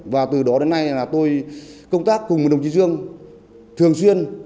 và từ đó đến nay là tôi công tác cùng đồng chí dương thường xuyên